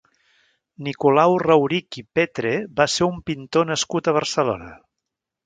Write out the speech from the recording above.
Nicolau Raurich i Petre va ser un pintor nascut a Barcelona.